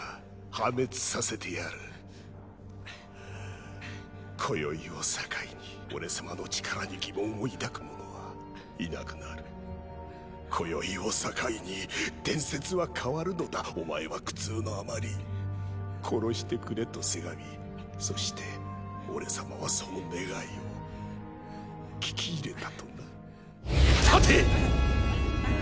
破滅させてやる今宵を境に俺様の力に疑問を抱く者はいなくなる今宵を境に伝説は変わるのだお前は苦痛のあまり殺してくれとせがみそして俺様はその願いを聞き入れたとな立て！